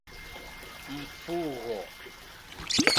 Mfugho